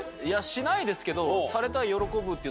しないですけど。